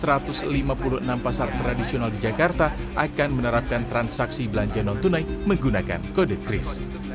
pasar jaya menargetkan dalam satu tahun ke depan satu ratus lima puluh enam pasar tradisional di jakarta akan menerapkan transaksi belanja non tunai menggunakan kode kris